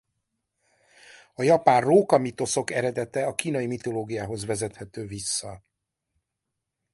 A japán róka-mítoszok eredete a kínai mitológiához vezethető vissza.